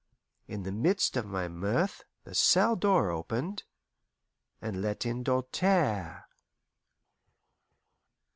In the midst of my mirth the cell door opened and let in Doltaire.